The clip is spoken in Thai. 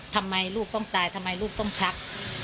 ทำไมลูกต้องตายทำไมลูกต้องชัก